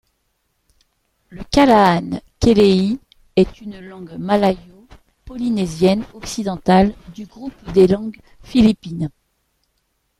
Le kallahan keley-i est une langue malayo-polynésienne occidentale du groupe des langues philippines.